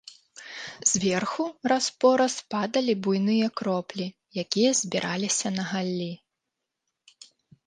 Зверху раз-пораз падалі буйныя кроплі, якія збіраліся на галлі.